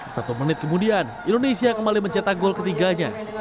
satu menit kemudian indonesia kembali mencetak gol ketiganya